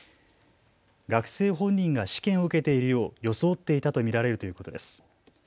学生本人が試験を受けているよう装っていたと見られるということです。